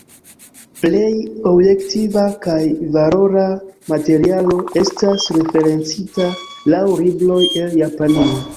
Plej objektiva kaj valora materialo estas referencita laŭ libroj el Japanio.